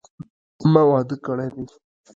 ما واده کړی دي